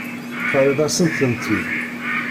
Terriḍ-asent-tent-id.